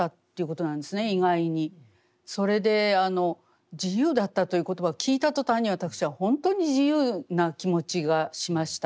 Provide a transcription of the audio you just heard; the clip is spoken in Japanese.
それで「自由だった」という言葉を聞いた途端に私は本当に自由な気持ちがしました。